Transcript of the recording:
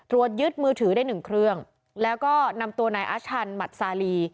ยึดมือถือได้หนึ่งเครื่องแล้วก็นำตัวนายอาชันหมัดซาลี